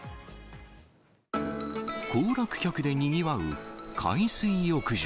行楽客でにぎわう海水浴場。